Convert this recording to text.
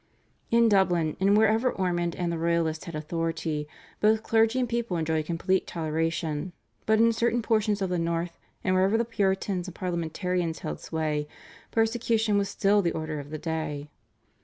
In Dublin and wherever Ormond and the Royalists had authority, both clergy and people enjoyed complete toleration, but in certain portions of the North, and wherever the Puritans and Parliamentarians held sway, persecution was still the order of the day.